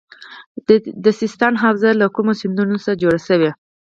د سیستان حوزه له کومو سیندونو جوړه شوې؟